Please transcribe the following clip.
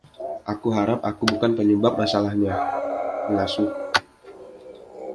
Aku harap aku bukan penyebab masalahnya, pengasuh?